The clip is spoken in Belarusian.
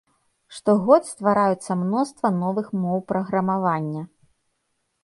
Штогод ствараюцца мноства новых моў праграмавання.